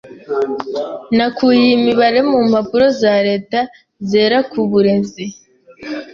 Nakuye iyi mibare mu mpapuro za leta zera ku burezi.